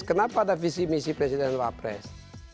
kenapa ada visi misi presiden dan pak pres